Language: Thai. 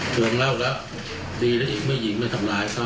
สวมเหล่า